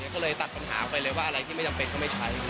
ก็เลยตัดปัญหาออกไปเลยว่าอะไรที่ไม่จำเป็นก็ไม่ใช้